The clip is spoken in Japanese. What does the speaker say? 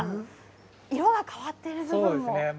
色が変わっている部分も。